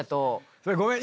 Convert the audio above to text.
それごめん。